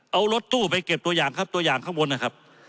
เอารถตู้ไปเก็บตัวอย่างครับตัวอย่างข้างบนนะครับ